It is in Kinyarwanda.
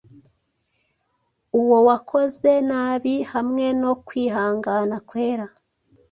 Uwo wakoze nabi hamwe no kwihangana kwera,